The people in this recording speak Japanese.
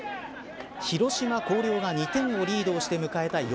広島広陵が２点をリードして迎えた